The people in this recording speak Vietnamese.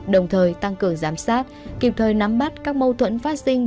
đồng thời tăng cường giám sát kịp thời nắm bắt các mâu thuẫn phát sinh